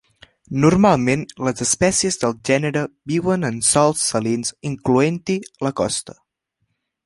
Normalment les espècies del gènere viuen en sòls salins incloent-hi la costa.